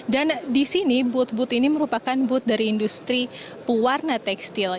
dan di sini but but ini merupakan but dari industri pewarna tekstil